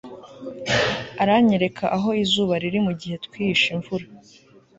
Aranyereka aho izuba riri mugihe twihishe imvura